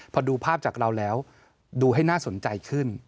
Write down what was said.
พอดูภาพจากเราแล้วดูให้น่าสนใจขึ้น